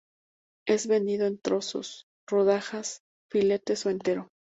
Es vendido en trozos, rodajas, filetes o entero.